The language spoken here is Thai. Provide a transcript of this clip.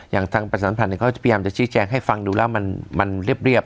อย่างทางประสานภัณฑ์เนี้ยเขาจะพยายามจะชี้แจงให้ฟังดูแล้วมันมันเรียบเรียบ